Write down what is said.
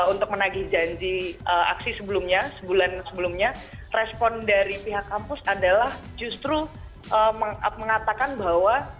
untuk menagih janji aksi sebelumnya sebulan sebelumnya respon dari pihak kampus adalah justru mengatakan bahwa